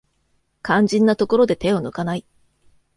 肝心なところで手を抜かない